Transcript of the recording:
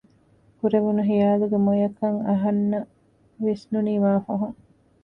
ކުރެވުނު ހިޔާލުގެ މޮޔަކަން އަހަންނަށް ވިސްނުނީ މާ ފަހުން